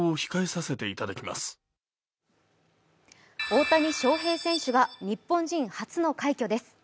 大谷翔平選手が日本人初の快挙です。